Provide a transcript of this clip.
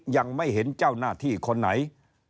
ยังไม่เห็นเจ้าหน้าที่คนไหน